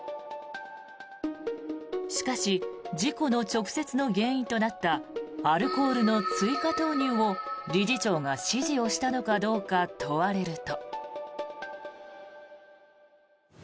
しかし事故の直接の原因となったアルコールの追加投入を理事長が指示をしたのかどうか問われると。